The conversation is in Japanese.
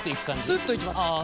スッといきます。